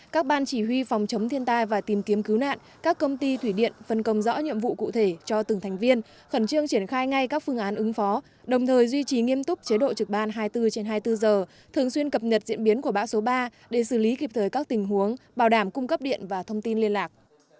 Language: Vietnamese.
các ban chỉ huy phòng chống thiên tai và tìm kiếm cứu nạn các công ty thủy điện phân công rõ nhiệm vụ cụ thể cho từng thành viên khẩn trương triển khai ngay các phương án ứng phó đồng thời duy trì nghiêm túc chế độ trực ban hai mươi bốn trên hai mươi bốn giờ thường xuyên cập nhật diễn biến của bão số ba để xử lý kịp thời các tình huống bảo đảm cung cấp điện và thông tin liên lạc